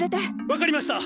分かりました。